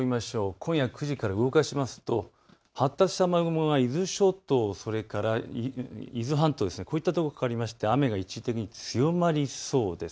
今夜９時から動かすと発達した雨雲が伊豆諸島、それから伊豆半島、こういったところにかかって雨が一時的に強まりそうです。